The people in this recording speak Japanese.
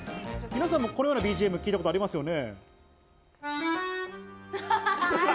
このようなＢＧＭ聞いたことありますよね。